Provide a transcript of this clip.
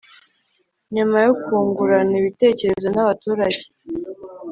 Nyuma yo kungurana ibitekerezo n abaturage